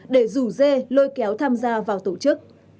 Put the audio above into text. để rủ dê lôi kéo tham gia vào tổ chức